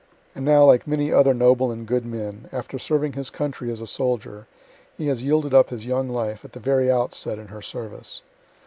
And now like many other noble and good men, after serving his country as a soldier, he has yielded up his young life at the very outset in her service.